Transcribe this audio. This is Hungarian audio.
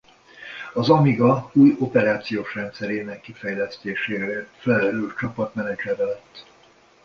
Az Amiga új operációs rendszerének kifejlesztéséért felelős csapat menedzsere lett.